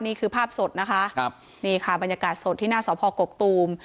นี่คือภาพสดนะคะครับนี่ค่ะบรรยากาศสดที่หน้าสพกกตูม